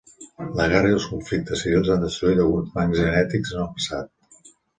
La guerra i els conflictes civils han destruït alguns bancs genètics en el passat.